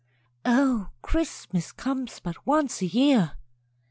O, CHRISTMAS comes but once a year!